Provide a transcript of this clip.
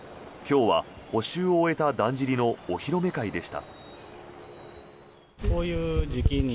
今日は補修を終えただんじりのお披露目会でした。